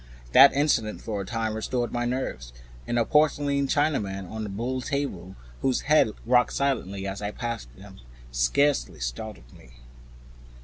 That incident for a time restored my nerve, and a dim porcelain Chinaman on a buhl table, whose head rocked as I passed, scarcely startled me.